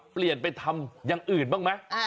เปลี่ยนไปทำอย่างอื่นบ้างไหม